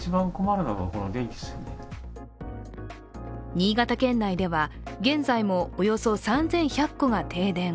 新潟県内では現在もおよそ３１００戸が停電。